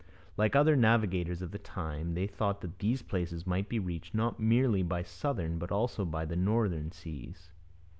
Like other navigators of the time, they thought that these places might be reached not merely by southern but also by the northern seas.